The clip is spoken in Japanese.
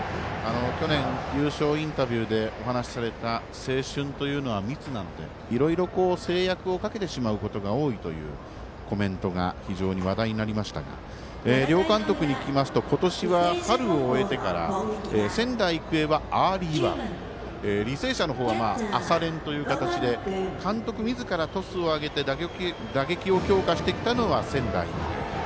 去年、優勝インタビューでお話された青春というのは密なのでいろいろ制約をかけてしまうことが多いというコメントが非常に話題になりましたが両監督に聞きますと今年は春を越えてから仙台育英はアーリーワーク履正社の方は朝練という形で監督みずからトスを上げて打撃を強化してきたのは仙台育英。